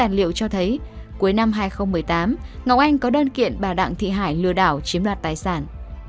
công an huyện trương mỹ mới tàn liệu cho thấy cuối năm hai nghìn một mươi tám ngọc anh có đơn kiện bà đặng thị hải lừa đảo chiếm đoạt tài sản